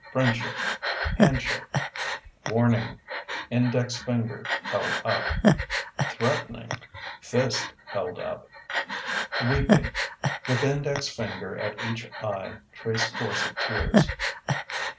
Friendship (Hand shake). Warning (Index finger held up). Threatening (Fist held up). Weeping (With index finger at each eye, trace course of tears).